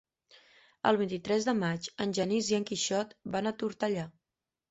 El vint-i-tres de maig en Genís i en Quixot van a Tortellà.